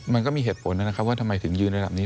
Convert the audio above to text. มันก็มีเหตุผลนะครับว่าทำไมถึงยืนระดับนี้